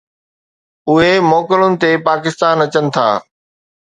اهي موڪلن تي پاڪستان اچن ٿا.